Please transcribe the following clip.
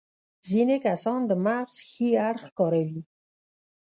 ځينې کسان د مغز ښي اړخ کاروي.